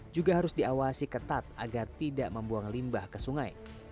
juga harus diawasi ketat agar tidak membuang limbah ke sungai